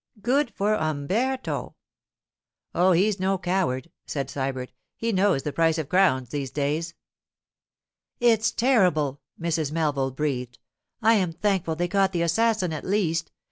'Good for Umberto!' 'Oh, he's no coward,' said Sybert. 'He knows the price of crowns these days.' 'It's terrible!' Mrs. Melville breathed. 'I am thankful they caught the assassin at least.